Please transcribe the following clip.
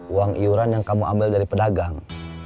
uang iuran yang kamu ambil dari pedagang